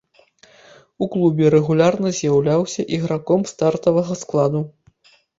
У клубе рэгулярна з'яўляўся іграком стартавага складу.